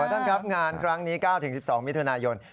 ท่านครับงานครั้งนี้๙๑๒มิถุนายน